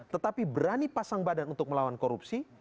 tetapi berani pasang badan untuk melawan korupsi